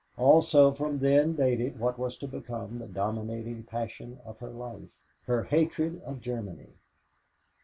Also from then dated what was to become the dominating passion of her life her hatred of Germany.